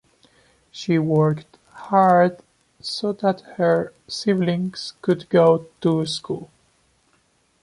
She worked hard so that her siblings could go to school.